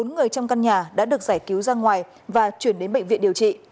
bốn người trong căn nhà đã được giải cứu ra ngoài và chuyển đến bệnh viện điều trị